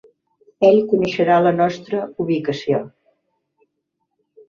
Ell coneixerà la nostra ubicació.